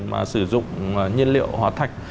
mà sử dụng nhiên liệu hóa thạch